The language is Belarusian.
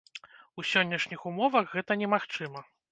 У сённяшніх умовах гэта немагчыма.